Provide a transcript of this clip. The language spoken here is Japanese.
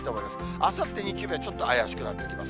あさって日曜日はちょっと怪しくなってきます。